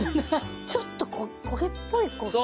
ちょっと焦げっぽい。